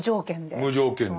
無条件で。